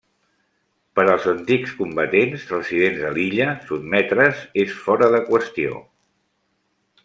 Per als antics combatents residents a l'illa, sotmetre's és fora de qüestió.